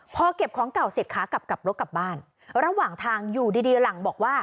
พอเก็บของเก่าเสร็จขากลับกลับรถกลับบ้านระหว่างทางอยู่ดีดีหลังบอกว่า